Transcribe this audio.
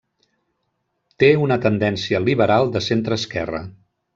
Té una tendència liberal de centreesquerra.